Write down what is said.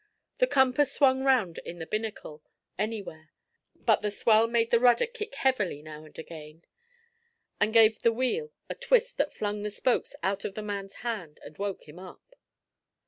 The compass swung round in the binnacle anywhere, but the swell made the rudder kick heavily now and again, and gave the wheel a twist that flung the spokes out of the man's hand and woke him up.